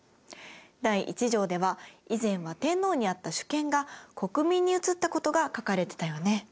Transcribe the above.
第１条では以前は天皇にあった主権が国民に移ったことが書かれてたよね。